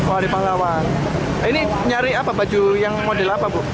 wari pahlawan ini nyari apa baju yang model apa bu